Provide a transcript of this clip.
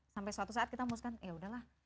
sampai suatu saat kita memusnahkan yaudahlah